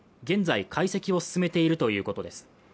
現在解析を進めているということです